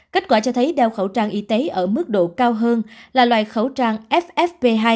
kết quả cho thấy đeo khẩu trang y tế ở mức độ cao hơn là loại khẩu trang ff hai